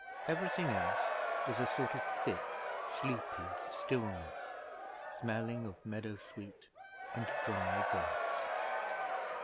Everything else was a sort of thick, sleepy stillness smelling of meadow sweet and dry grass.